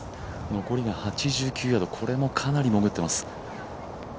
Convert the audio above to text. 残りが８９ヤード、これもかなり潜ってます。